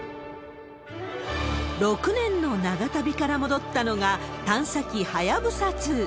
６年の長旅から戻ったのが、探査機、はやぶさ２。